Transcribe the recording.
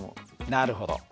なるほど。